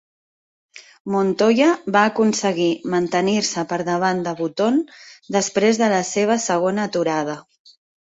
Montoya va aconseguir mantenir-se per davant de Button després de la seva segona aturada.